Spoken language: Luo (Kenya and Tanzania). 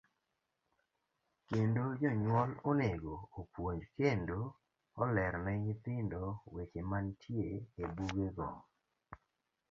Kendo jonyuol onego opuonj kendo oler ne nyithindo weche mantie e buge go.